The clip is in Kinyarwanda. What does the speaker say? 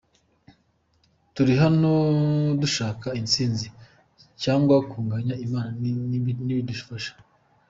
Turi hano dushaka intsinzi cyangwa kunganya Imana nidufasha.”